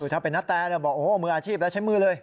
ถ้าเป็นนาแตบอกโอ้โหมืออาชีพแล้วใช้มือเลย